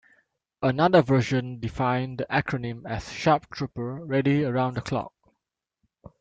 Another version defined the acronym as "Sharp Trooper, Ready Around the Clock".